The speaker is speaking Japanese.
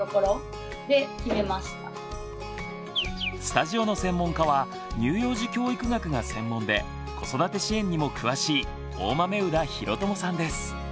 スタジオの専門家は乳幼児教育学が専門で子育て支援にも詳しい大豆生田啓友さんです。